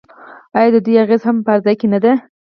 آیا د دوی اغیز په هر ځای کې نه دی؟